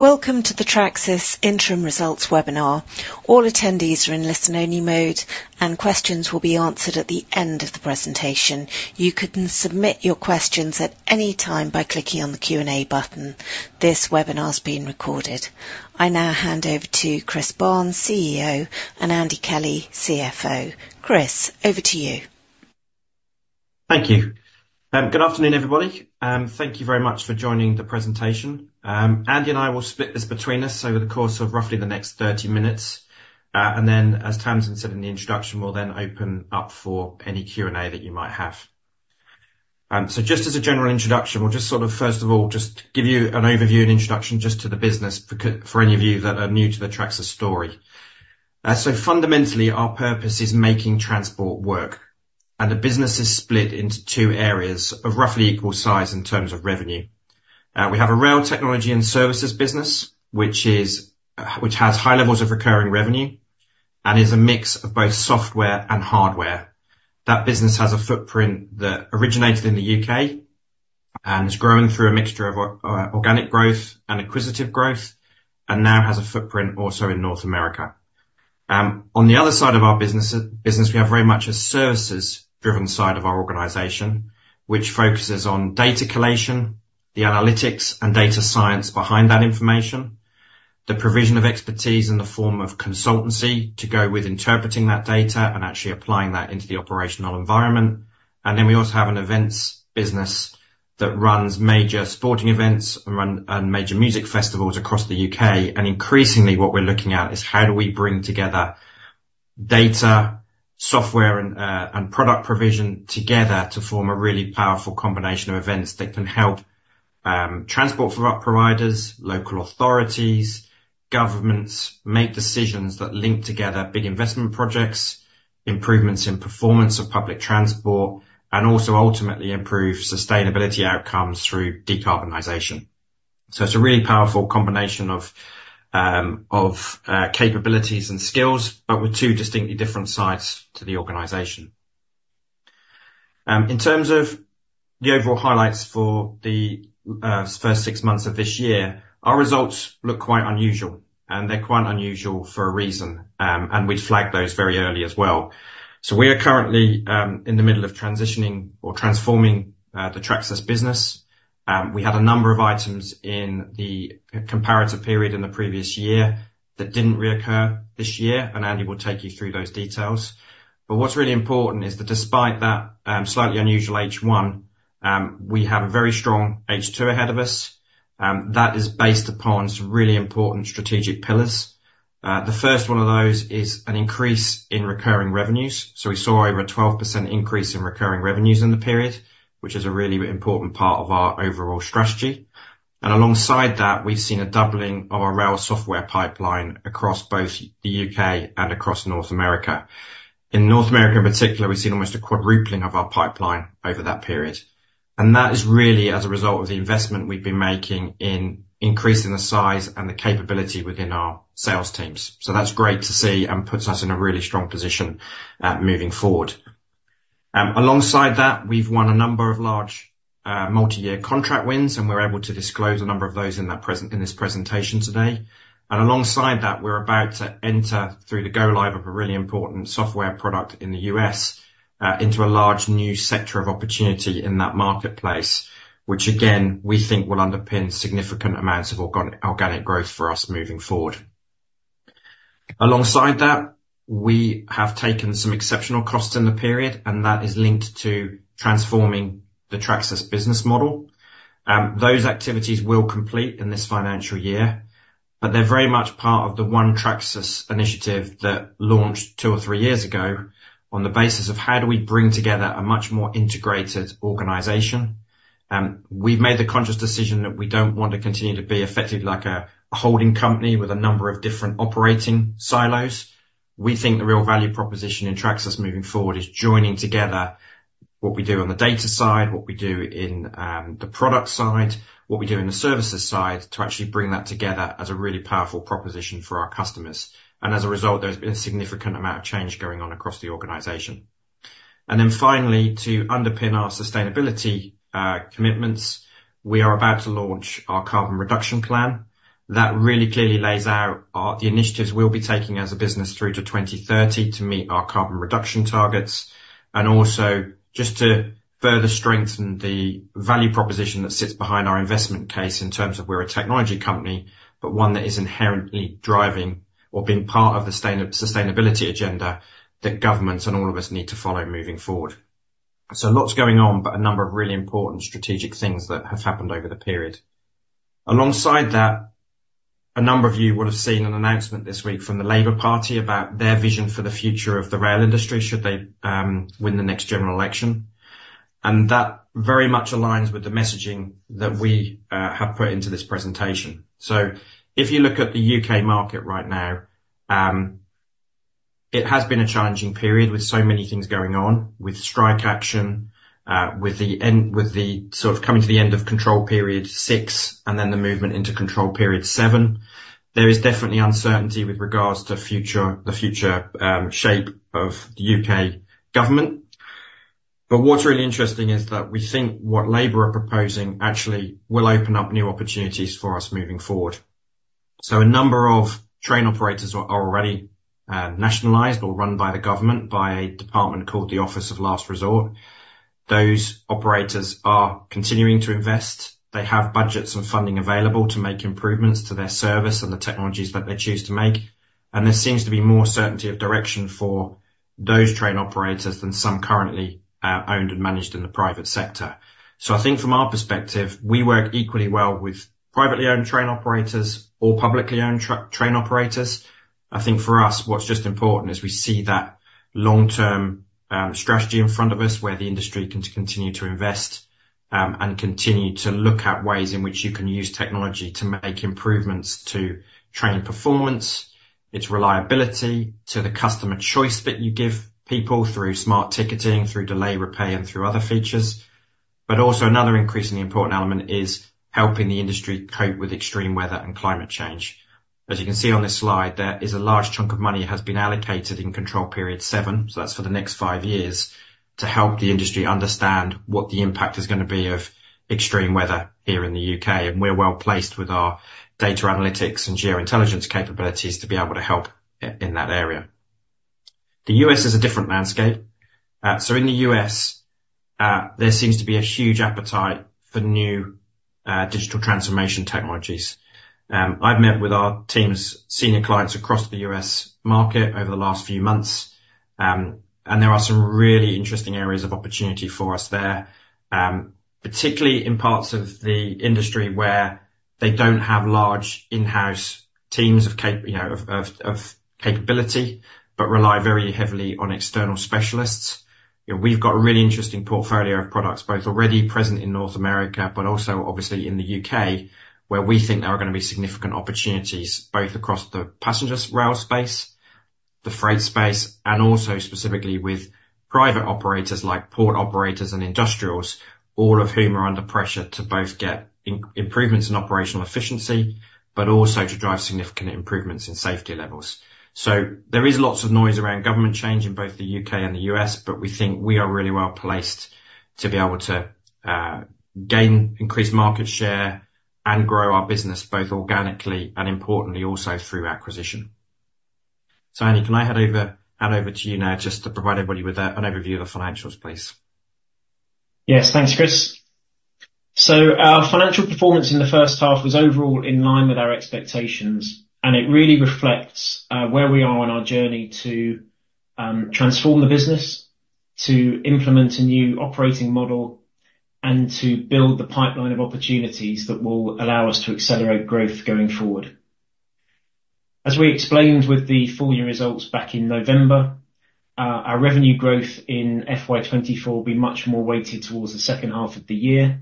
Welcome to the Tracsis Interim Results Webinar. All attendees are in listen-only mode, and questions will be answered at the end of the presentation. You can submit your questions at any time by clicking on the Q&A button. This webinar is being recorded. I now hand over to Chris Barnes, CEO, and Andy Kelly, CFO. Chris, over to you. Thank you. Good afternoon, everybody, and thank you very much for joining the presentation. Andy and I will split this between us over the course of roughly the next 30 minutes. And then, as Tamsin said in the introduction, we'll then open up for any Q&A that you might have. So just as a general introduction, we'll just sort of, first of all, just give you an overview and introduction just to the business, for any of you that are new to the Tracsis story. So fundamentally, our purpose is making transport work, and the business is split into two areas of roughly equal size in terms of revenue. We have a rail technology and services business, which is, which has high levels of recurring revenue and is a mix of both software and hardware. That business has a footprint that originated in the UK and has grown through a mixture of organic growth and acquisitive growth and now has a footprint also in North America. On the other side of our business, we have very much a services-driven side of our organization, which focuses on data collation, the analytics and data science behind that information, the provision of expertise in the form of consultancy to go with interpreting that data and actually applying that into the operational environment. And then we also have an events business that runs major sporting events and major music festivals across the UK. Increasingly, what we're looking at is how do we bring together data, software, and product provision together to form a really powerful combination of events that can help transport providers, local authorities, governments, make decisions that link together big investment projects, improvements in performance of public transport, and also ultimately improve sustainability outcomes through decarbonization. So it's a really powerful combination of capabilities and skills, but with two distinctly different sides to the organization. In terms of the overall highlights for the first six months of this year, our results look quite unusual, and they're quite unusual for a reason, and we'd flagged those very early as well. So we are currently in the middle of transitioning or transforming the Tracsis business. We had a number of items in the comparative period in the previous year that didn't reoccur this year, and Andy will take you through those details. But what's really important is that despite that, slightly unusual H1, we have a very strong H2 ahead of us, that is based upon some really important strategic pillars. The first one of those is an increase in recurring revenues. So we saw over a 12% increase in recurring revenues in the period, which is a really important part of our overall strategy. And alongside that, we've seen a doubling of our rail software pipeline across both the UK and across North America. In North America, in particular, we've seen almost a quadrupling of our pipeline over that period, and that is really as a result of the investment we've been making in increasing the size and the capability within our sales teams. So that's great to see and puts us in a really strong position, moving forward. Alongside that, we've won a number of large, multi-year contract wins, and we're able to disclose a number of those in that presen-- in this presentation today. And alongside that, we're about to enter through the go live of a really important software product in the U.S., into a large new sector of opportunity in that marketplace, which again, we think will underpin significant amounts of organ-organic growth for us moving forward. Alongside that, we have taken some exceptional costs in the period, and that is linked to transforming the Tracsis business model. Those activities will complete in this financial year, but they're very much part of the One Tracsis initiative that launched two or three years ago on the basis of how do we bring together a much more integrated organization? We've made the conscious decision that we don't want to continue to be effectively like a, a holding company with a number of different operating silos. We think the real value proposition in Tracsis moving forward is joining together what we do on the data side, what we do in, the product side, what we do in the services side, to actually bring that together as a really powerful proposition for our customers. As a result, there's been a significant amount of change going on across the organization. Then finally, to underpin our sustainability commitments, we are about to launch our carbon reduction plan. That really clearly lays out the initiatives we'll be taking as a business through to 2030 to meet our carbon reduction targets, and also just to further strengthen the value proposition that sits behind our investment case in terms of we're a technology company, but one that is inherently driving or being part of the sustainability agenda that governments and all of us need to follow moving forward. Lots going on, but a number of really important strategic things that have happened over the period. Alongside that, a number of you would have seen an announcement this week from the Labour Party about their vision for the future of the rail industry, should they win the next general election. That very much aligns with the messaging that we have put into this presentation. So if you look at the UK market right now, it has been a challenging period with so many things going on with strike action, with the sort of coming to the end of Control Period 6 and then the movement into Control Period 7. There is definitely uncertainty with regards to the future shape of the UK government. But what's really interesting is that we think what Labour are proposing actually will open up new opportunities for us moving forward. So a number of train operators are already nationalized or run by the government, by a department called the Operator of Last Resort. Those operators are continuing to invest. They have budgets and funding available to make improvements to their service and the technologies that they choose to make, and there seems to be more certainty of direction for those train operators than some currently owned and managed in the private sector. So I think from our perspective, we work equally well with privately owned train operators or publicly owned train operators. I think for us, what's just important is we see that long-term strategy in front of us, where the industry can continue to invest, and continue to look at ways in which you can use technology to make improvements to train performance, its reliability, to the customer choice that you give people through smart ticketing, through Delay Repay, and through other features. But also another increasingly important element is helping the industry cope with extreme weather and climate change. As you can see on this slide, there is a large chunk of money has been allocated in Control Period 7, so that's for the next five years, to help the industry understand what the impact is gonna be of extreme weather here in the U.K. And we're well placed with our data analytics and GeoIntelligence capabilities to be able to help in that area. The U.S. is a different landscape. So in the U.S., there seems to be a huge appetite for new digital transformation technologies. I've met with our teams, senior clients across the U.S. market over the last few months, and there are some really interesting areas of opportunity for us there, particularly in parts of the industry where they don't have large in-house teams of, you know, capability, but rely very heavily on external specialists. You know, we've got a really interesting portfolio of products, both already present in North America, but also obviously in the UK, where we think there are gonna be significant opportunities both across the passenger rail space, the freight space, and also specifically with private operators like port operators and industrials, all of whom are under pressure to both get improvements in operational efficiency, but also to drive significant improvements in safety levels. So there is lots of noise around government change in both the UK and the US, but we think we are really well placed to be able to gain increased market share and grow our business both organically and importantly, also through acquisition. So Andy, can I hand over, hand over to you now just to provide everybody with a, an overview of the financials, please? Yes, thanks, Chris. So our financial performance in the first half was overall in line with our expectations, and it really reflects where we are on our journey to transform the business, to implement a new operating model, and to build the pipeline of opportunities that will allow us to accelerate growth going forward. As we explained with the full year results back in November, our revenue growth in FY 2024 will be much more weighted towards the second half of the year.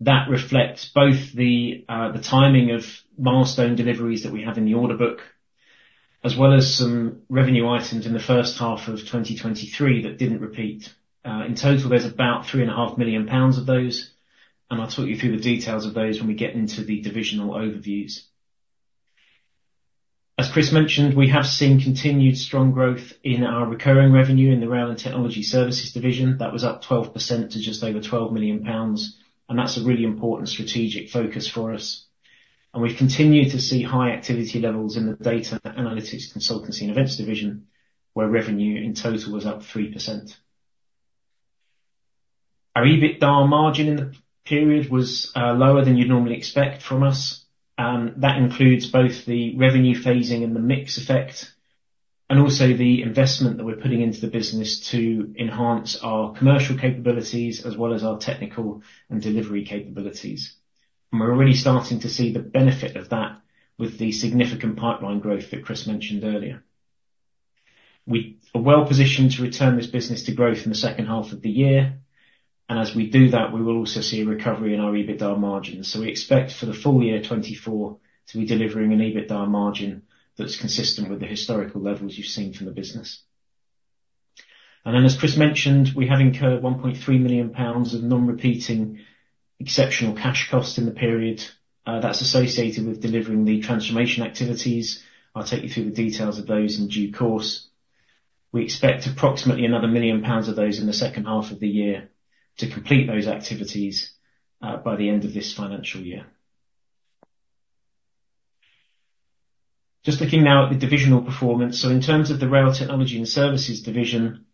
That reflects both the timing of milestone deliveries that we have in the order book, as well as some revenue items in the first half of 2023 that didn't repeat. In total, there's about 3.5 million pounds of those, and I'll talk you through the details of those when we get into the divisional overviews. As Chris mentioned, we have seen continued strong growth in our recurring revenue in the Rail and Technology Services division. That was up 12% to just over 12 million pounds, and that's a really important strategic focus for us. We've continued to see high activity levels in the Data Analytics, Consultancy, and Events division, where revenue in total was up 3%. Our EBITDA margin in the period was lower than you'd normally expect from us, and that includes both the revenue phasing and the mix effect, and also the investment that we're putting into the business to enhance our commercial capabilities as well as our technical and delivery capabilities. We're already starting to see the benefit of that with the significant pipeline growth that Chris mentioned earlier. We are well positioned to return this business to growth in the second half of the year, and as we do that, we will also see a recovery in our EBITDA margins. So we expect for the full year 2024 to be delivering an EBITDA margin that's consistent with the historical levels you've seen from the business. And then, as Chris mentioned, we have incurred 1.3 million pounds of non-repeating exceptional cash costs in the period. That's associated with delivering the transformation activities. I'll take you through the details of those in due course. We expect approximately another 1 million pounds of those in the second half of the year to complete those activities by the end of this financial year. Just looking now at the divisional performance. So in terms of the Rail Technology and Services division,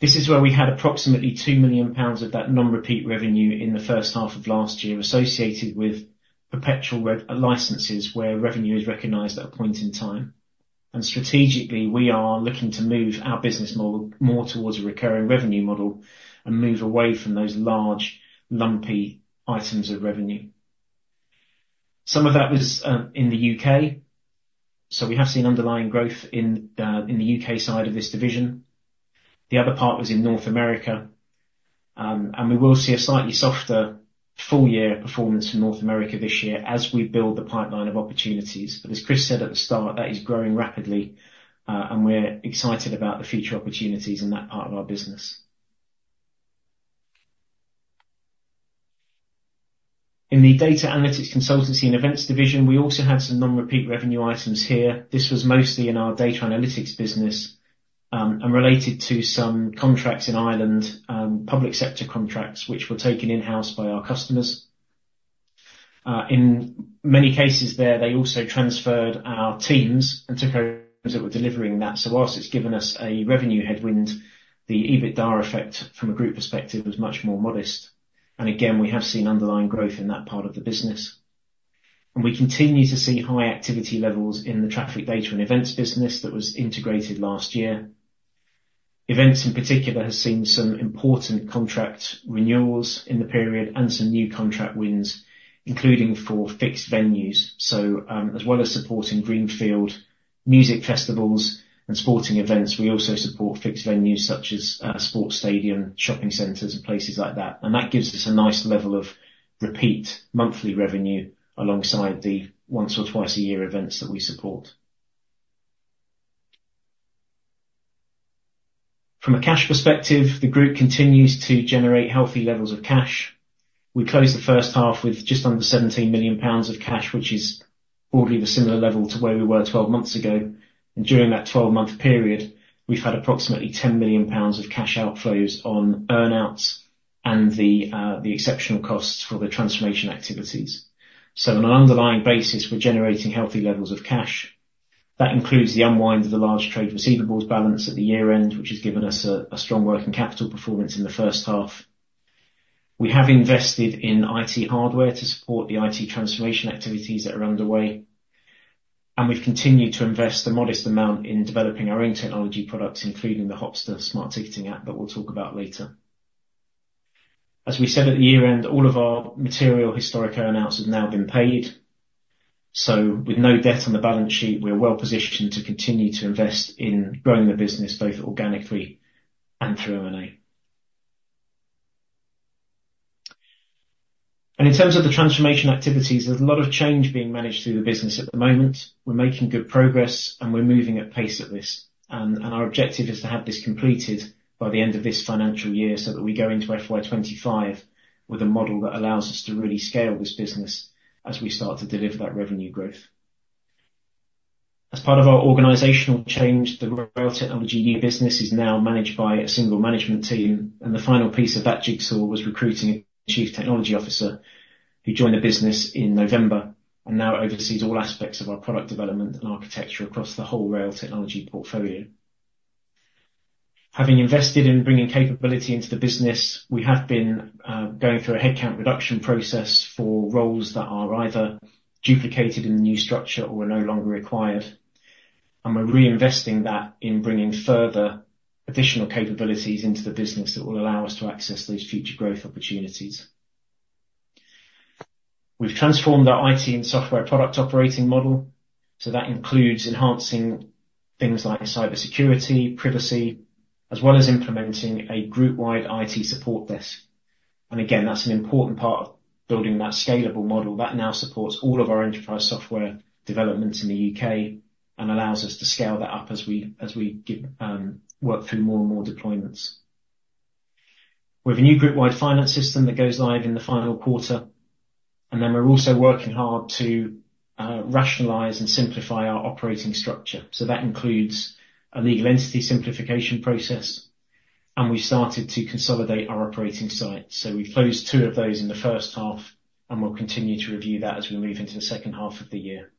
this is where we had approximately 2 million pounds of that non-repeat revenue in the first half of last year, associated with perpetual re-licenses, where revenue is recognized at a point in time. Strategically, we are looking to move our business model more towards a recurring revenue model and move away from those large, lumpy items of revenue. Some of that was in the UK, so we have seen underlying growth in the UK side of this division. The other part was in North America, and we will see a slightly softer full year performance in North America this year as we build the pipeline of opportunities. But as Chris said at the start, that is growing rapidly, and we're excited about the future opportunities in that part of our business. In the Data Analytics Consultancy and Events division, we also had some non-repeat revenue items here. This was mostly in our data analytics business, and related to some contracts in Ireland, public sector contracts, which were taken in-house by our customers. In many cases there, they also transferred our teams and took over that were delivering that. So whilst it's given us a revenue headwind, the EBITDA effect from a group perspective was much more modest, and again, we have seen underlying growth in that part of the business. We continue to see high activity levels in the Traffic Data and Events business that was integrated last year. Events, in particular, has seen some important contract renewals in the period and some new contract wins, including for fixed venues. So, as well as supporting greenfield music festivals and sporting events, we also support fixed venues such as sports stadium, shopping centers, and places like that. And that gives us a nice level of repeat monthly revenue alongside the once or twice a year events that we support. From a cash perspective, the group continues to generate healthy levels of cash. We closed the first half with just under 17 million pounds of cash, which is broadly the similar level to where we were 12 months ago, and during that 12-month period, we've had approximately 10 million pounds of cash outflows on earn-outs and the exceptional costs for the transformation activities. So on an underlying basis, we're generating healthy levels of cash. That includes the unwind of the large trade receivables balance at the year end, which has given us a strong working capital performance in the first half. We have invested in IT hardware to support the IT transformation activities that are underway, and we've continued to invest a modest amount in developing our own technology products, including the Hopsta smart ticketing app that we'll talk about later. As we said at the year end, all of our material historic earn-outs have now been paid, so with no debt on the balance sheet, we're well positioned to continue to invest in growing the business, both organically and through M&A. In terms of the transformation activities, there's a lot of change being managed through the business at the moment. We're making good progress, and we're moving at pace at this. Our objective is to have this completed by the end of this financial year, so that we go into FY 2025 with a model that allows us to really scale this business as we start to deliver that revenue growth. As part of our organizational change, the Rail Technology new business is now managed by a single management team, and the final piece of that jigsaw was recruiting a Chief Technology Officer, who joined the business in November and now oversees all aspects of our product development and architecture across the whole Rail Technology portfolio. Having invested in bringing capability into the business, we have been going through a headcount reduction process for roles that are either duplicated in the new structure or are no longer required. We're reinvesting that in bringing further additional capabilities into the business that will allow us to access those future growth opportunities. We've transformed our IT and software product operating model, so that includes enhancing things like cybersecurity, privacy, as well as implementing a group-wide IT support desk. And again, that's an important part of building that scalable model that now supports all of our enterprise software developments in the UK and allows us to scale that up as we work through more and more deployments. We have a new group-wide finance system that goes live in the final quarter, and then we're also working hard to rationalize and simplify our operating structure. That includes a legal entity simplification process, and we started to consolidate our operating sites. So we closed 2 of those in the first half, and we'll continue to review that as we move into the second half of the year.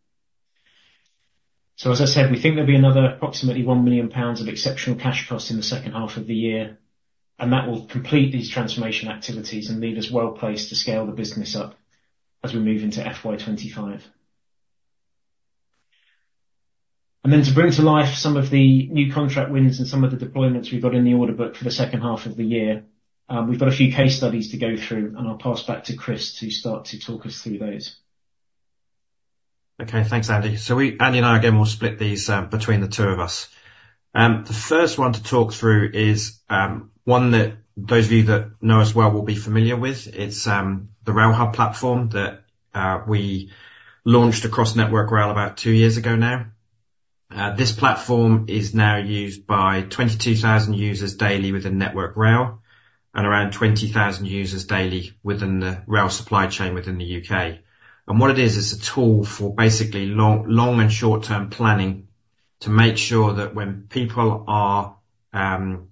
So as I said, we think there'll be another approximately 1 million pounds of exceptional cash costs in the second half of the year, and that will complete these transformation activities and leave us well placed to scale the business up as we move into FY 2025. And then to bring to life some of the new contract wins and some of the deployments we've got in the order book for the second half of the year, we've got a few case studies to go through, and I'll pass back to Chris to start to talk us through those. Okay, thanks, Andy. So Andy and I, again, will split these between the two of us. The first one to talk through is one that those of you that know us well will be familiar with. It's the RailHub platform that we launched across Network Rail about two years ago now. This platform is now used by 22,000 users daily within Network Rail and around 20,000 users daily within the rail supply chain within the UK. What it is, is a tool for basically long, long and short-term planning to make sure that when people go onto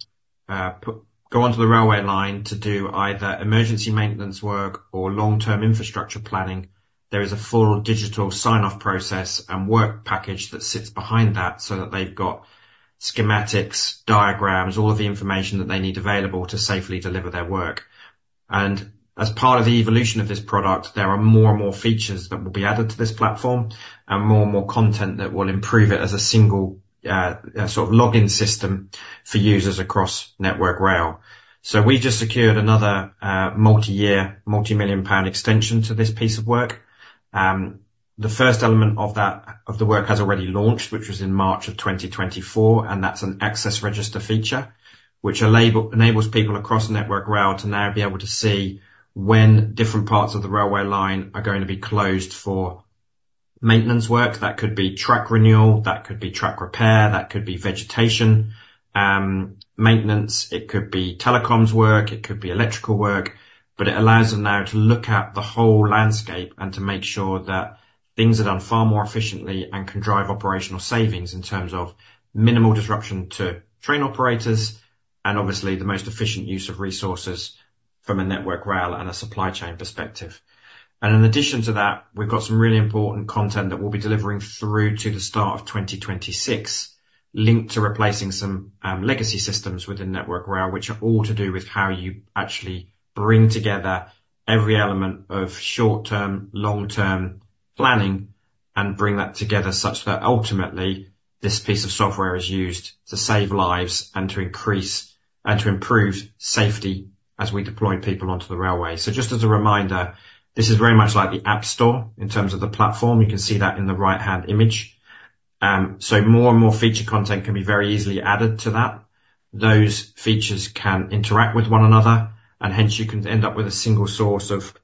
the railway line to do either emergency maintenance work or long-term infrastructure planning, there is a full digital sign-off process and work package that sits behind that, so that they've got schematics, diagrams, all of the information that they need available to safely deliver their work. As part of the evolution of this product, there are more and more features that will be added to this platform and more and more content that will improve it as a single, sort of login system for users across Network Rail. We just secured another, multi-year, multi-million-pound extension to this piece of work. The first element of that, of the work, has already launched, which was in March 2024, and that's an Access Register feature, which enables people across Network Rail to now be able to see when different parts of the railway line are going to be closed for maintenance work. That could be track renewal, that could be track repair, that could be vegetation maintenance, it could be telecoms work, it could be electrical work, but it allows them now to look at the whole landscape and to make sure that things are done far more efficiently and can drive operational savings in terms of minimal disruption to train operators and obviously the most efficient use of resources from a Network Rail and a supply chain perspective. In addition to that, we've got some really important content that we'll be delivering through to the start of 2026, linked to replacing some legacy systems within Network Rail, which are all to do with how you actually bring together every element of short-term, long-term planning, and bring that together such that ultimately this piece of software is used to save lives and to increase—and to improve safety as we deploy people onto the railway. Just as a reminder, this is very much like the App Store in terms of the platform. You can see that in the right-hand image. More and more feature content can be very easily added to that. Those features can interact with one another, and hence you can end up with a single source of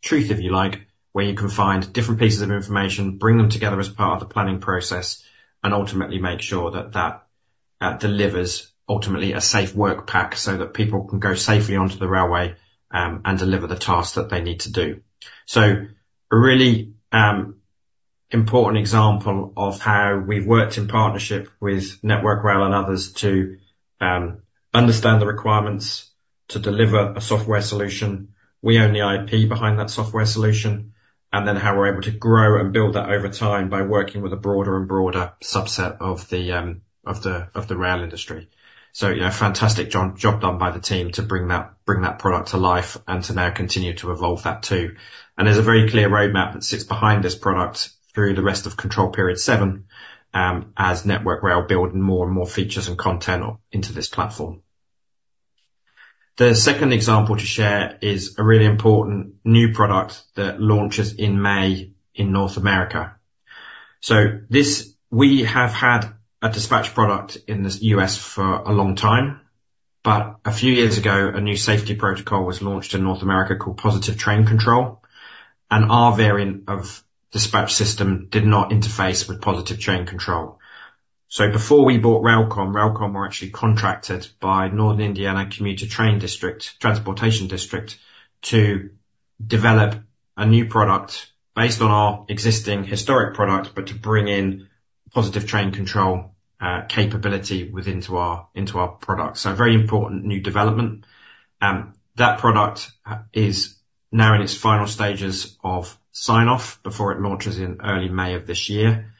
truth, if you like, where you can find different pieces of information, bring them together as part of the planning process, and ultimately make sure that that delivers ultimately a safe work pack, so that people can go safely onto the railway, and deliver the tasks that they need to do. So a really important example of how we've worked in partnership with Network Rail and others to understand the requirements to deliver a software solution. We own the IP behind that software solution, and then how we're able to grow and build that over time by working with a broader and broader subset of the rail industry. So, you know, fantastic job done by the team to bring that product to life and to now continue to evolve that too. And there's a very clear roadmap that sits behind this product through the rest of Control Period 7, as Network Rail build more and more features and content into this platform. The second example to share is a really important new product that launches in May in North America. So this, we have had a dispatch product in the U.S. for a long time, but a few years ago, a new safety protocol was launched in North America called Positive Train Control, and our variant of dispatch system did not interface with Positive Train Control. So before we bought RailComm, RailComm were actually contracted by Northern Indiana Commuter Transportation District to develop a new product based on our existing historic product, but to bring in Positive Train Control capability into our product. So a very important new development. That product is now in its final stages of sign-off before it launches in early May of this year.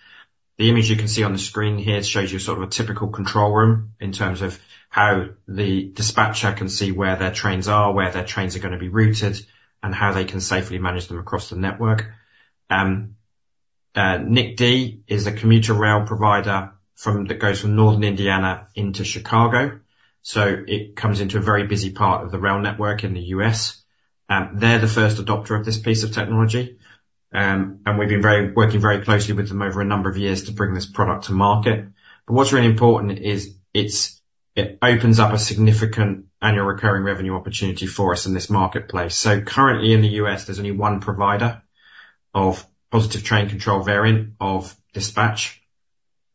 The image you can see on the screen here shows you sort of a typical control room in terms of how the dispatcher can see where their trains are, where their trains are gonna be routed, and how they can safely manage them across the network. NICTD is a commuter rail provider that goes from northern Indiana into Chicago, so it comes into a very busy part of the rail network in the U.S. They're the first adopter of this piece of technology, and we've been working very closely with them over a number of years to bring this product to market. But what's really important is, it opens up a significant annual recurring revenue opportunity for us in this marketplace. So currently in the U.S., there's only one provider of Positive Train Control variant of dispatch,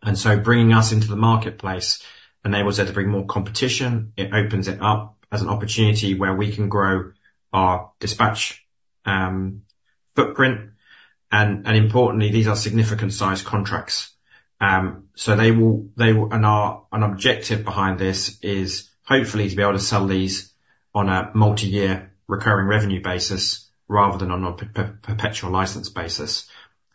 and so bringing us into the marketplace enables there to bring more competition. It opens it up as an opportunity where we can grow our dispatch footprint, and importantly, these are significant sized contracts. So they will, and our objective behind this is hopefully to be able to sell these on a multi-year recurring revenue basis, rather than on a perpetual license basis.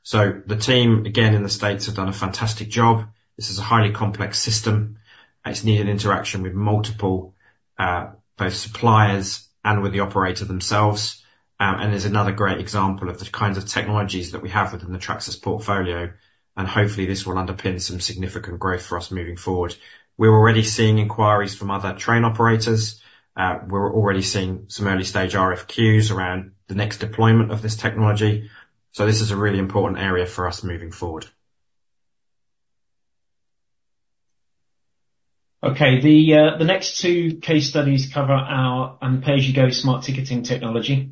So the team, again, in the States, have done a fantastic job. This is a highly complex system, and it's needed interaction with multiple, both suppliers and with the operator themselves. And there's another great example of the kinds of technologies that we have within the Tracsis portfolio, and hopefully, this will underpin some significant growth for us moving forward. We're already seeing inquiries from other train operators. We're already seeing some early stage RFQs around the next deployment of this technology, so this is a really important area for us moving forward. Okay, the next two case studies cover our pay-as-you-go smart ticketing technology.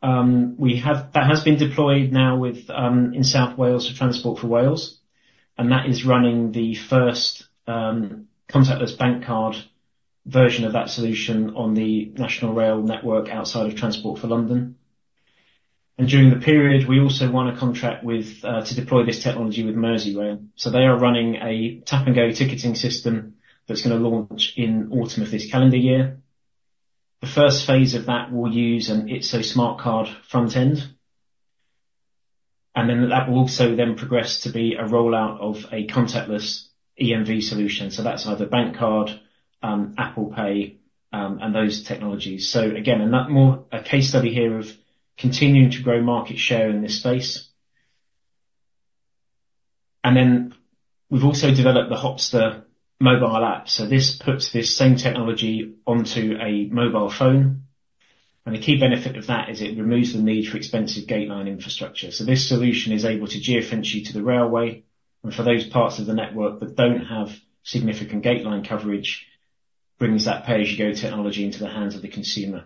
That has been deployed now with, in South Wales for Transport for Wales, and that is running the first contactless bank card version of that solution on the national rail network outside of Transport for London. During the period, we also won a contract with to deploy this technology with Merseyrail. So they are running a tap-and-go ticketing system that's gonna launch in autumn of this calendar year. The first phase of that will use an ITSO smart card front end, and then that will also then progress to be a rollout of a contactless EMV solution, so that's either bank card, Apple Pay, and those technologies. So again, and that more a case study here of continuing to grow market share in this space. And then we've also developed the Hopsta mobile app, so this puts this same technology onto a mobile phone, and the key benefit of that is it removes the need for expensive gateline infrastructure. So this solution is able to geofence you to the railway, and for those parts of the network that don't have significant gateline coverage-... brings that pay-as-you-go technology into the hands of the consumer.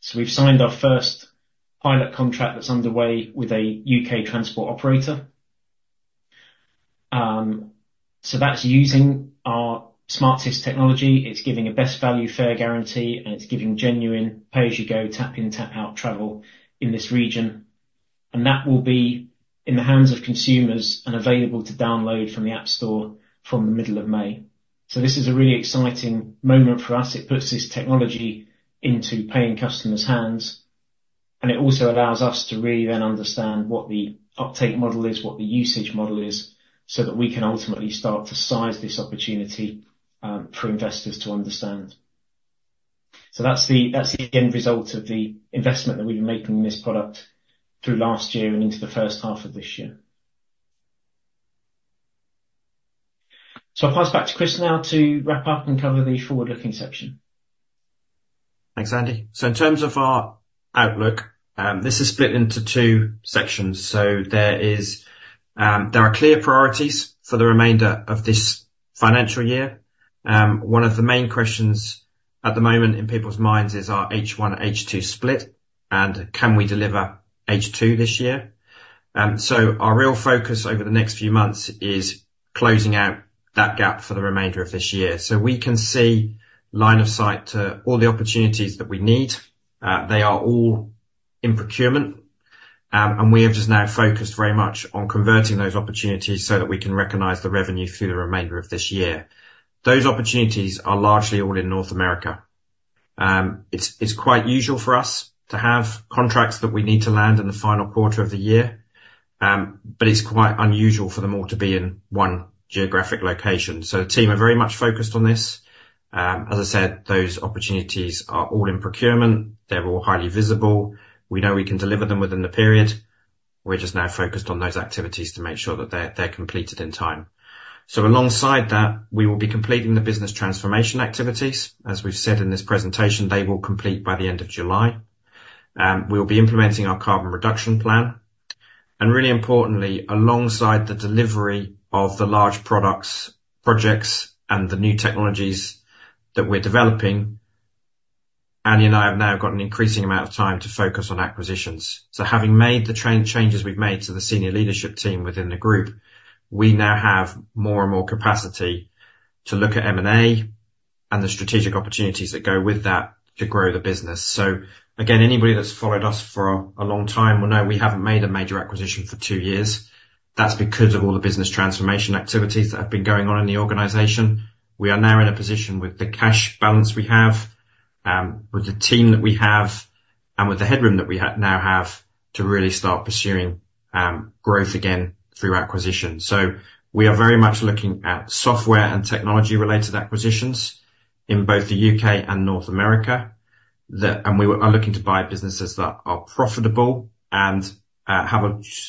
So we've signed our first pilot contract that's underway with a U.K. transport operator. So that's using our SmartTIS technology. It's giving a best value fare guarantee, and it's giving genuine pay-as-you-go tap-in, tap-out travel in this region, and that will be in the hands of consumers and available to download from the App Store from the middle of May. So this is a really exciting moment for us. It puts this technology into paying customers' hands, and it also allows us to really then understand what the uptake model is, what the usage model is, so that we can ultimately start to size this opportunity, for investors to understand. So that's the end result of the investment that we've been making in this product through last year and into the first half of this year. So I'll pass back to Chris now to wrap up and cover the forward-looking section. Thanks, Andy. So in terms of our outlook, this is split into two sections. So there are clear priorities for the remainder of this financial year. One of the main questions at the moment in people's minds is our H1/H2 split, and can we deliver H2 this year? So our real focus over the next few months is closing out that gap for the remainder of this year. So we can see line of sight to all the opportunities that we need. They are all in procurement, and we have just now focused very much on converting those opportunities so that we can recognize the revenue through the remainder of this year. Those opportunities are largely all in North America. It's quite usual for us to have contracts that we need to land in the final quarter of the year, but it's quite unusual for them all to be in one geographic location. So the team are very much focused on this. As I said, those opportunities are all in procurement. They're all highly visible. We know we can deliver them within the period. We're just now focused on those activities to make sure that they're completed in time. So alongside that, we will be completing the business transformation activities. As we've said in this presentation, they will complete by the end of July. We'll be implementing our carbon reduction plan, and really importantly, alongside the delivery of the large products, projects, and the new technologies that we're developing, Andy and I have now got an increasing amount of time to focus on acquisitions. So having made the changes we've made to the senior leadership team within the group, we now have more and more capacity to look at M&A and the strategic opportunities that go with that to grow the business. So again, anybody that's followed us for a long time will know we haven't made a major acquisition for two years. That's because of all the business transformation activities that have been going on in the organization. We are now in a position, with the cash balance we have, with the team that we have, and with the headroom that we now have, to really start pursuing growth again through acquisition. So we are very much looking at software and technology-related acquisitions in both the UK and North America and we are looking to buy businesses that are profitable and have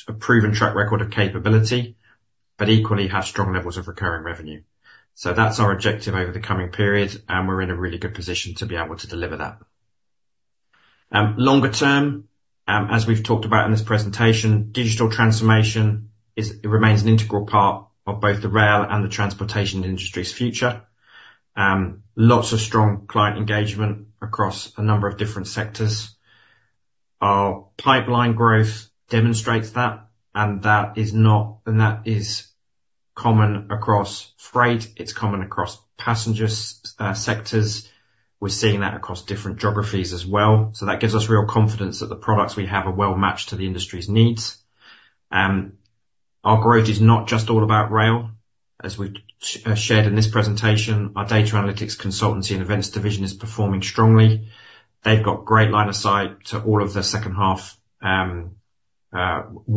a proven track record of capability, but equally, have strong levels of recurring revenue. So that's our objective over the coming period, and we're in a really good position to be able to deliver that. Longer term, as we've talked about in this presentation, digital transformation remains an integral part of both the rail and the transportation industry's future. Lots of strong client engagement across a number of different sectors. Our pipeline growth demonstrates that, and that is common across freight, it's common across passengers, sectors. We're seeing that across different geographies as well. So that gives us real confidence that the products we have are well matched to the industry's needs. Our growth is not just all about rail. As we shared in this presentation, our data analytics consultancy and events division is performing strongly. They've got great line of sight to all of their second half,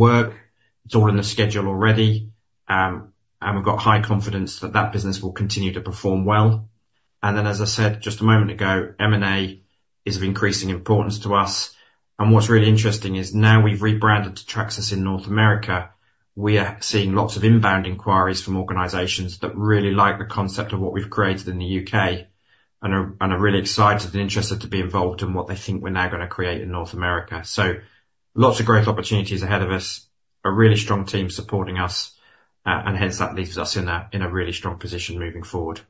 work. It's all in the schedule already, and we've got high confidence that that business will continue to perform well. And then, as I said just a moment ago, M&A is of increasing importance to us, and what's really interesting is now we've rebranded to Tracsis in North America, we are seeing lots of inbound inquiries from organizations that really like the concept of what we've created in the UK and are really excited and interested to be involved in what they think we're now gonna create in North America. So lots of growth opportunities ahead of us, a really strong team supporting us, and hence, that leaves us in a really strong position moving forward.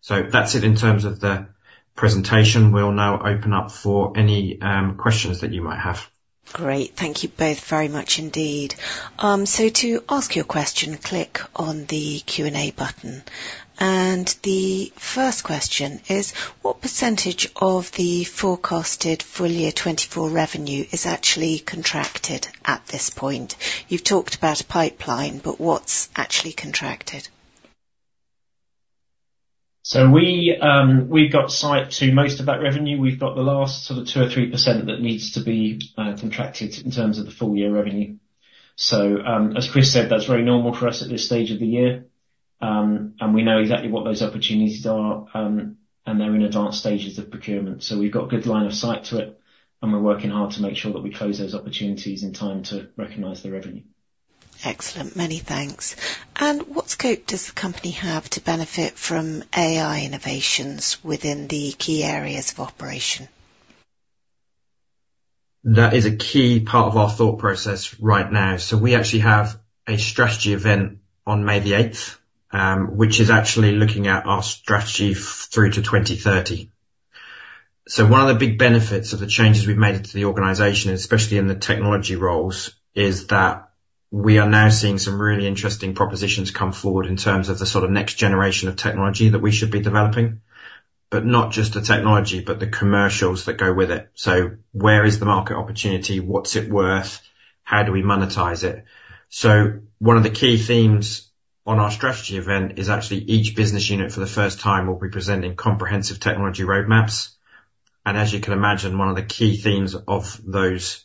So that's it in terms of the presentation. We'll now open up for any questions that you might have. Great. Thank you both very much indeed. So to ask your question, click on the Q&A button, and the first question is: What percentage of the forecasted full year 2024 revenue is actually contracted at this point? You've talked about a pipeline, but what's actually contracted? So we, we've got sight to most of that revenue. We've got the last sort of 2 or 3% that needs to be, contracted in terms of the full year revenue. So, as Chris said, that's very normal for us at this stage of the year, and we know exactly what those opportunities are, and they're in advanced stages of procurement, so we've got good line of sight to it, and we're working hard to make sure that we close those opportunities in time to recognize the revenue. Excellent, many thanks. What scope does the company have to benefit from AI innovations within the key areas of operation? That is a key part of our thought process right now. So we actually have a strategy event on May the eighth, which is actually looking at our strategy through to 2030. So one of the big benefits of the changes we've made to the organization, especially in the technology roles, is that we are now seeing some really interesting propositions come forward in terms of the sort of next generation of technology that we should be developing, but not just the technology, but the commercials that go with it. So where is the market opportunity? What's it worth? How do we monetize it? One of the key themes on our strategy event is actually each business unit, for the first time, will be presenting comprehensive technology roadmaps, and as you can imagine, one of the key themes of those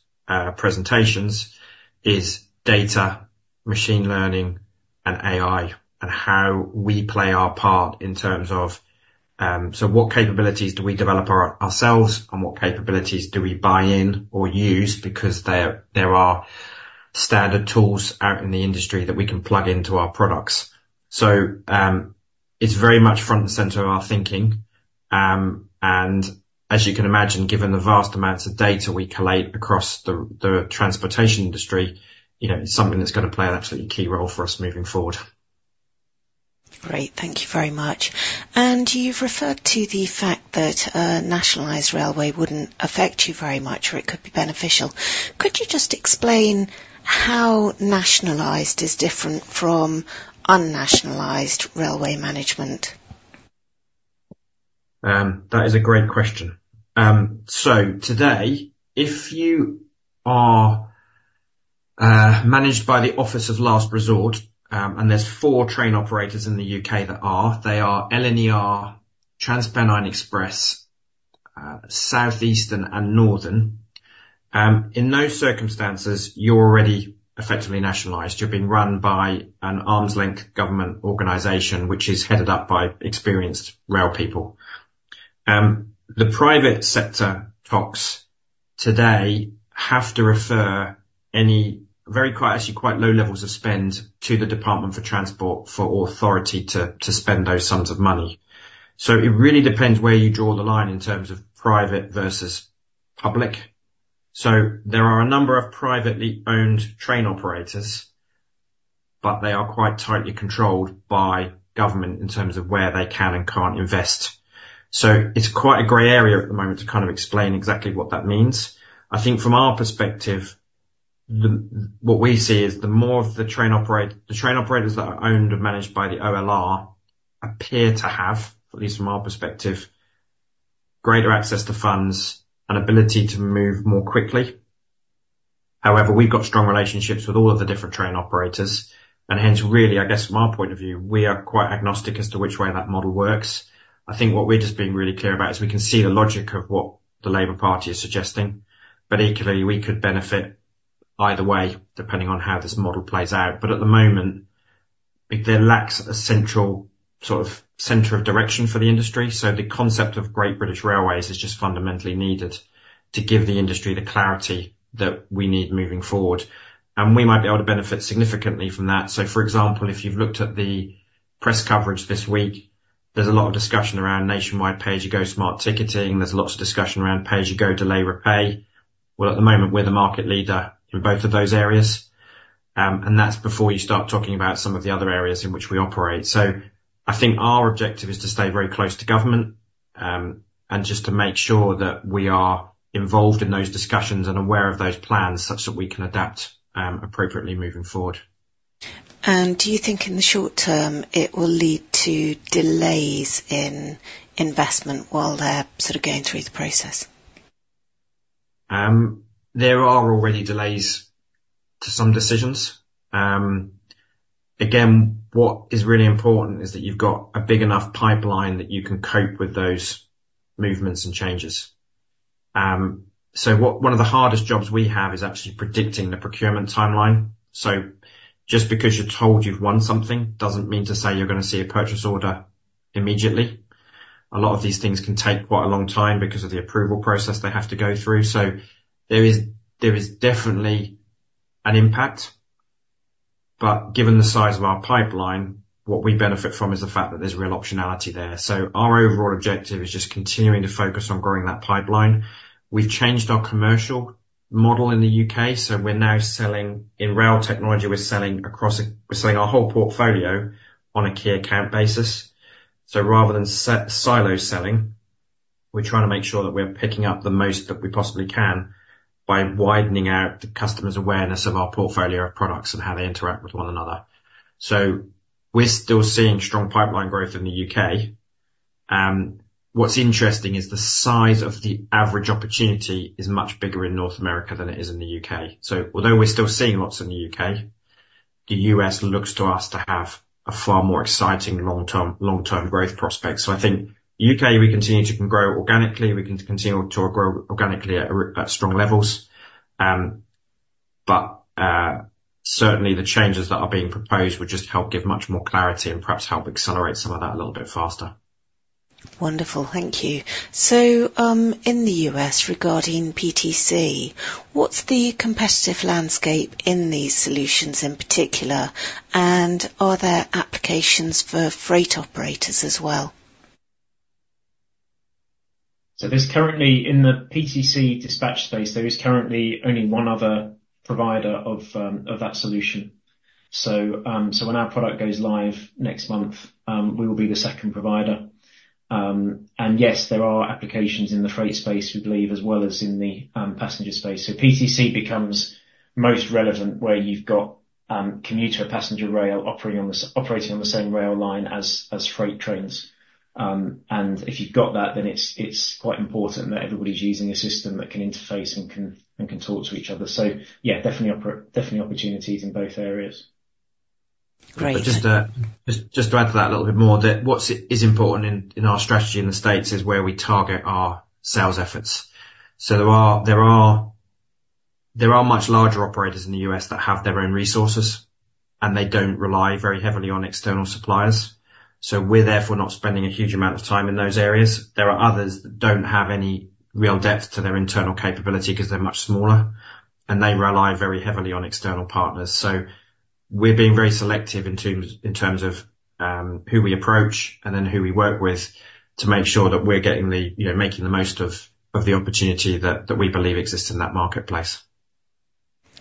presentations is data, machine learning, and AI, and how we play our part in terms of what capabilities do we develop ourselves, and what capabilities do we buy in or use. Because there are standard tools out in the industry that we can plug into our products. It's very much front and center of our thinking, and as you can imagine, given the vast amounts of data we collate across the transportation industry, you know, it's something that's gonna play an absolutely key role for us moving forward. Great. Thank you very much. You've referred to the fact that a nationalized railway wouldn't affect you very much, or it could be beneficial. Could you just explain how nationalized is different from unnationalized railway management? That is a great question. So today, if you are managed by the Operator of Last Resort, and there's four train operators in the UK that are, they are LNER, TransPennine Express, Southeastern and Northern. In those circumstances, you're already effectively nationalized. You're being run by an arm's-length government organization, which is headed up by experienced rail people. The private sector TOCs today have to refer any, actually, quite low levels of spend to the Department for Transport, for authority to spend those sums of money. So it really depends where you draw the line in terms of private versus public. So there are a number of privately owned train operators, but they are quite tightly controlled by government in terms of where they can and can't invest. So it's quite a gray area at the moment to kind of explain exactly what that means. I think from our perspective, what we see is more of the train operators that are owned and managed by the OLR appear to have, at least from our perspective, greater access to funds and ability to move more quickly. However, we've got strong relationships with all of the different train operators, and hence, really, I guess from our point of view, we are quite agnostic as to which way that model works. I think what we're just being really clear about is we can see the logic of what the Labour Party is suggesting, but equally, we could benefit either way, depending on how this model plays out. But at the moment, there lacks a central, sort of, center of direction for the industry, so the concept of Great British Railways is just fundamentally needed to give the industry the clarity that we need moving forward, and we might be able to benefit significantly from that. So, for example, if you've looked at the press coverage this week, there's a lot of discussion around nationwide pay as you go smart ticketing. There's lots of discussion around pay as you go Delay Repay. Well, at the moment, we're the market leader in both of those areas, and that's before you start talking about some of the other areas in which we operate. I think our objective is to stay very close to government, and just to make sure that we are involved in those discussions and aware of those plans, such that we can adapt appropriately moving forward. Do you think in the short term, it will lead to delays in investment while they're sort of going through the process? There are already delays to some decisions. Again, what is really important is that you've got a big enough pipeline that you can cope with those movements and changes. So one of the hardest jobs we have is actually predicting the procurement timeline. So just because you're told you've won something, doesn't mean to say you're gonna see a purchase order immediately. A lot of these things can take quite a long time because of the approval process they have to go through, so there is definitely an impact. But given the size of our pipeline, what we benefit from is the fact that there's real optionality there. So our overall objective is just continuing to focus on growing that pipeline. We've changed our commercial model in the UK, so we're now selling... In rail technology, we're selling our whole portfolio on a key account basis. So rather than silo selling, we're trying to make sure that we're picking up the most that we possibly can by widening out the customers' awareness of our portfolio of products and how they interact with one another. So we're still seeing strong pipeline growth in the U.K. What's interesting is the size of the average opportunity is much bigger in North America than it is in the U.K. So although we're still seeing lots in the U.K., the U.S. looks to us to have a far more exciting long term, long term growth prospect. So I think U.K., we continue to can grow organically. We can continue to grow organically at strong levels. Certainly, the changes that are being proposed would just help give much more clarity and perhaps help accelerate some of that a little bit faster. Wonderful. Thank you. So, in the U.S., regarding PTC, what's the competitive landscape in these solutions, in particular, and are there applications for freight operators as well? So there's currently, in the PTC dispatch space, there is currently only one other provider of that solution. So, so when our product goes live next month, we will be the second provider. And yes, there are applications in the freight space, we believe, as well as in the passenger space. So PTC becomes most relevant where you've got commuter passenger rail operating on the same rail line as freight trains. And if you've got that, then it's quite important that everybody's using a system that can interface and can talk to each other. So yeah, definitely opportunities in both areas. Great. But just to add to that a little bit more, what's important in our strategy in the States is where we target our sales efforts. So there are much larger operators in the US that have their own resources, and they don't rely very heavily on external suppliers, so we're therefore not spending a huge amount of time in those areas. There are others that don't have any real depth to their internal capability, 'cause they're much smaller, and they rely very heavily on external partners. So we're being very selective in terms of who we approach and then who we work with, to make sure that we're getting the... You know, making the most of the opportunity that we believe exists in that marketplace.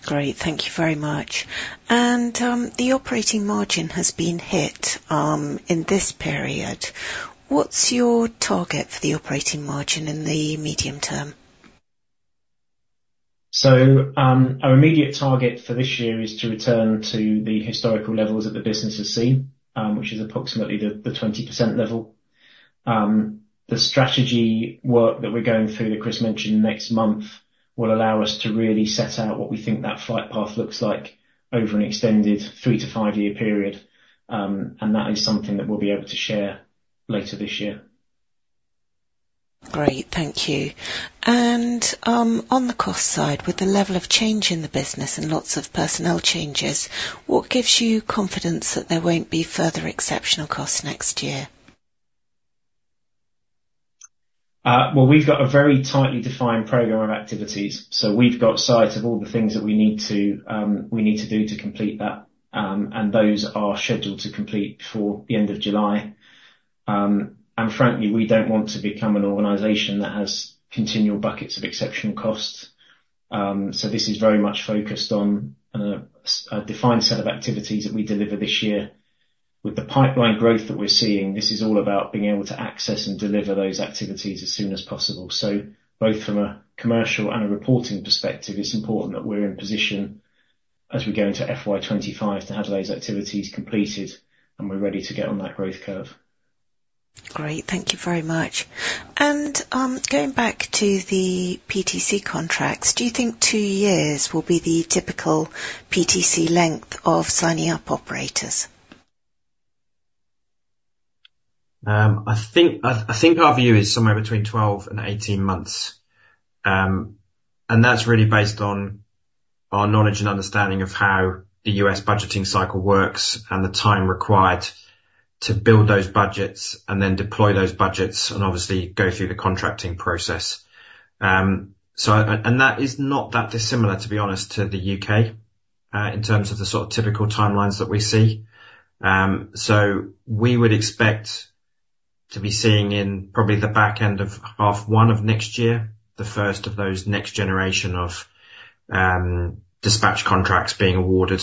Great. Thank you very much. The operating margin has been hit in this period. What's your target for the operating margin in the medium term? So, our immediate target for this year is to return to the historical levels that the business has seen, which is approximately the 20% level. The strategy work that we're going through, that Chris mentioned, next month, will allow us to really set out what we think that flight path looks like over an extended 3-5-year period. And that is something that we'll be able to share later this year. Great. Thank you. On the cost side, with the level of change in the business and lots of personnel changes, what gives you confidence that there won't be further exceptional costs next year? Well, we've got a very tightly defined program of activities, so we've got sight of all the things that we need to, we need to do to complete that. And those are scheduled to complete before the end of July. And frankly, we don't want to become an organization that has continual buckets of exceptional costs, so this is very much focused on, a defined set of activities that we deliver this year. With the pipeline growth that we're seeing, this is all about being able to access and deliver those activities as soon as possible. So both from a commercial and a reporting perspective, it's important that we're in position as we go into FY 2025, to have those activities completed, and we're ready to get on that growth curve. Great. Thank you very much. Going back to the PTC contracts, do you think two years will be the typical PTC length of signing up operators? I think our view is somewhere between 12 and 18 months. And that's really based on our knowledge and understanding of how the U.S. budgeting cycle works, and the time required to build those budgets, and then deploy those budgets, and obviously go through the contracting process. And that is not that dissimilar, to be honest, to the U.K., in terms of the sort of typical timelines that we see. We would expect to be seeing in probably the back end of half one of next year, the first of those next generation of dispatch contracts being awarded,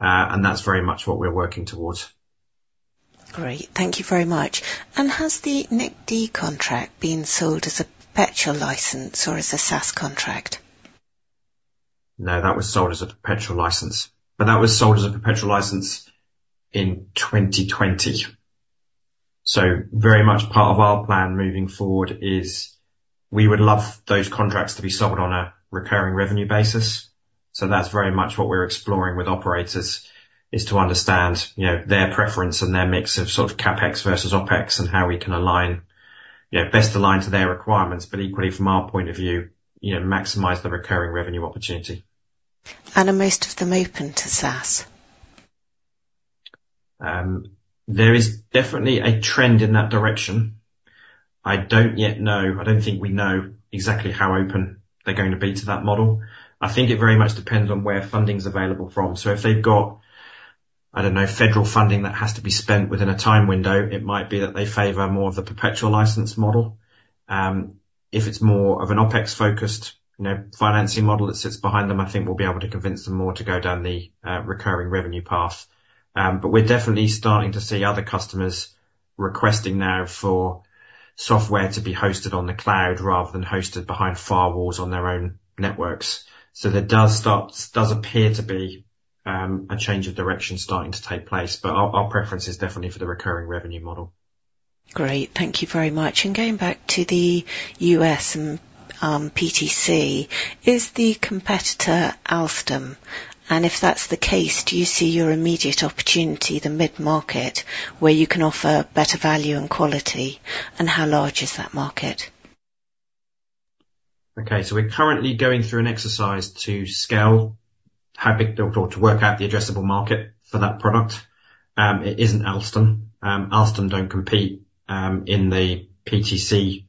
and that's very much what we're working towards. Great. Thank you very much. Has the NICTD contract been sold as a perpetual license or as a SaaS contract? No, that was sold as a perpetual license, but that was sold as a perpetual license in 2020. So very much part of our plan moving forward is, we would love those contracts to be sold on a recurring revenue basis. So that's very much what we're exploring with operators, is to understand, you know, their preference and their mix of sort of CapEx versus OpEx, and how we can align, you know, best align to their requirements, but equally from our point of view, you know, maximize the recurring revenue opportunity. Are most of them open to SaaS? There is definitely a trend in that direction. I don't yet know. I don't think we know exactly how open they're going to be to that model. I think it very much depends on where funding's available from. So if they've got, I don't know, federal funding that has to be spent within a time window, it might be that they favor more of the perpetual license model. If it's more of an OpEx-focused, you know, financing model that sits behind them, I think we'll be able to convince them more to go down the recurring revenue path. But we're definitely starting to see other customers requesting now for software to be hosted on the cloud, rather than hosted behind firewalls on their own networks. There does appear to be a change of direction starting to take place, but our preference is definitely for the recurring revenue model. Great. Thank you very much. And going back to the US and, PTC, is the competitor Alstom? And if that's the case, do you see your immediate opportunity, the mid-market, where you can offer better value and quality? And how large is that market? Okay, so we're currently going through an exercise to scale, or to work out the addressable market for that product. It isn't Alstom. Alstom don't compete in the PTC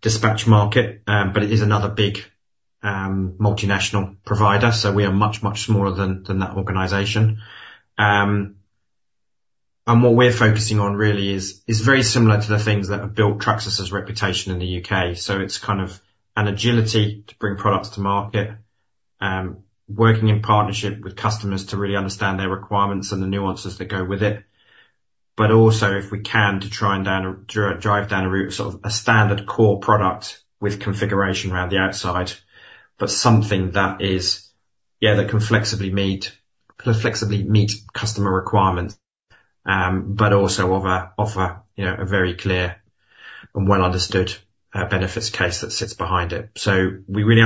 dispatch market, but it is another big multinational provider, so we are much, much smaller than that organization. And what we're focusing on really is very similar to the things that have built Tracsis' reputation in the UK. So it's kind of an agility to bring products to market, working in partnership with customers to really understand their requirements and the nuances that go with it. But also, if we can, to try and drive down a route of sort of a standard core product with configuration around the outside, but something that is... Yeah, that can flexibly meet customer requirements, but also offer, you know, a very clear and well-understood benefits case that sits behind it. So we really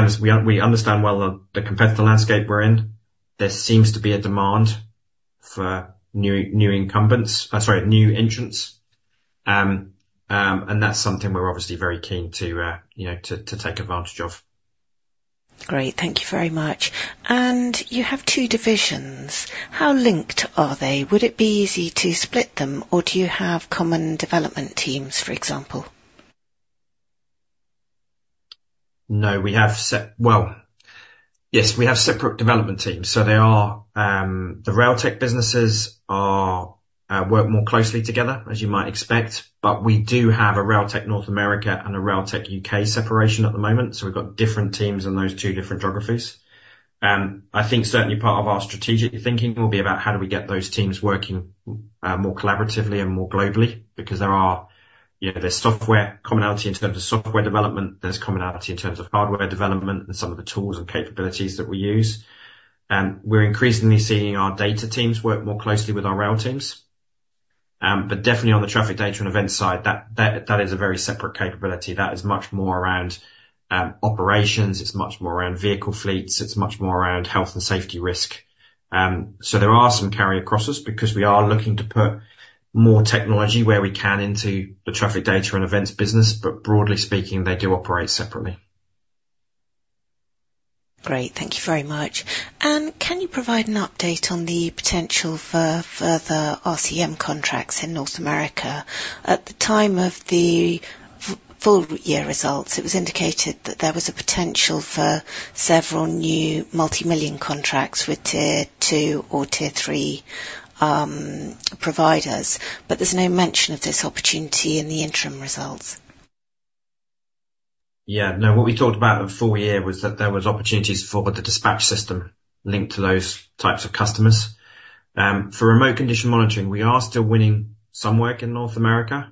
understand well the competitive landscape we're in. There seems to be a demand for new incumbents, I'm sorry, new entrants. And that's something we're obviously very keen to, you know, to take advantage of. Great. Thank you very much. You have two divisions. How linked are they? Would it be easy to split them, or do you have common development teams, for example? No, well, yes, we have separate development teams, so they are. The Rail Technology businesses are work more closely together, as you might expect, but we do have a Rail Technology North America and a Rail Technology UK separation at the moment, so we've got different teams in those two different geographies. I think certainly part of our strategic thinking will be about how do we get those teams working more collaboratively and more globally? Because there are, you know, there's software commonality in terms of software development, there's commonality in terms of hardware development and some of the tools and capabilities that we use. We're increasingly seeing our data teams work more closely with our rail teams. But definitely on the Traffic Data and Event side, that is a very separate capability. That is much more around, operations, it's much more around vehicle fleets, it's much more around health and safety risk. So there are some carry acrosses, because we are looking to put more technology where we can into the Traffic Data and Events business, but broadly speaking, they do operate separately. Great. Thank you very much. Can you provide an update on the potential for further RCM contracts in North America? At the time of the full year results, it was indicated that there was a potential for several new multi-million contracts with Tier Two or Tier Three providers, but there's no mention of this opportunity in the interim results. Yeah. No, what we talked about in the full year was that there was opportunities for the dispatch system linked to those types of customers. For Remote Condition Monitoring, we are still winning some work in North America,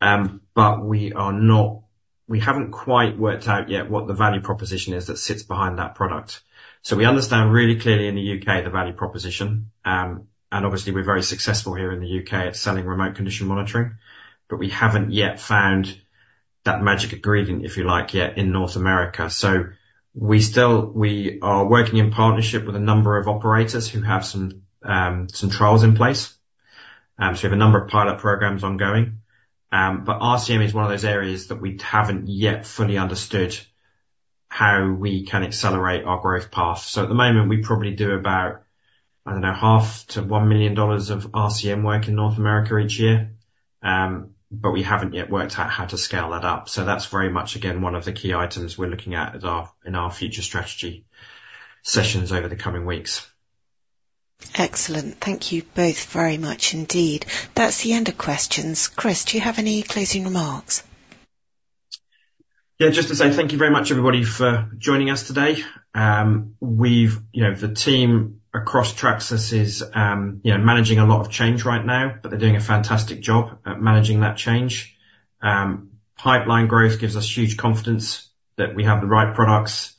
but we are not-- we haven't quite worked out yet what the value proposition is that sits behind that product. So we understand really clearly in the UK, the value proposition, and obviously, we're very successful here in the UK at selling Remote Condition Monitoring, but we haven't yet found that magic ingredient, if you like, yet, in North America. So we still... We are working in partnership with a number of operators who have some, some trials in place. So we have a number of pilot programs ongoing, but RCM is one of those areas that we haven't yet fully understood how we can accelerate our growth path. So at the moment, we probably do about, I don't know, $0.5 million-$1 million of RCM work in North America each year, but we haven't yet worked out how to scale that up. So that's very much, again, one of the key items we're looking at in our, in our future strategy sessions over the coming weeks. Excellent. Thank you both very much indeed. That's the end of questions. Chris, do you have any closing remarks? Yeah, just to say thank you very much, everybody, for joining us today. We've, you know, the team across Tracsis is, you know, managing a lot of change right now, but they're doing a fantastic job at managing that change. Pipeline growth gives us huge confidence that we have the right products,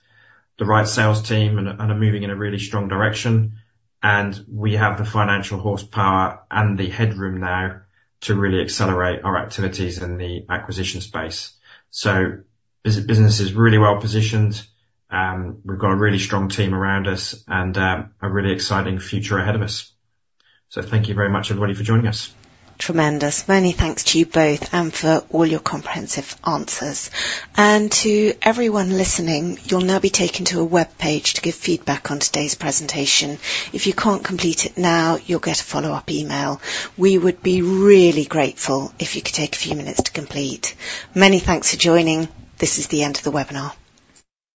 the right sales team, and are moving in a really strong direction. And we have the financial horsepower and the headroom now to really accelerate our activities in the acquisition space. So business is really well positioned. We've got a really strong team around us and a really exciting future ahead of us. So thank you very much, everybody, for joining us. Tremendous. Many thanks to you both and for all your comprehensive answers. And to everyone listening, you'll now be taken to a webpage to give feedback on today's presentation. If you can't complete it now, you'll get a follow-up email. We would be really grateful if you could take a few minutes to complete. Many thanks for joining. This is the end of the webinar.